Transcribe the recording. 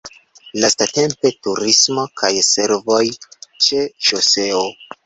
Lastatempe turismo kaj servoj ĉe ŝoseo.